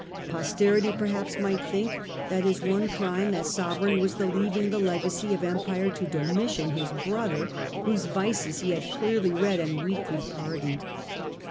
Posterity perhaps might think that his one crime as sovereign was the leaving the legacy of empire to Domitian, his brother, whose vices he had clearly read and weakly pardoned.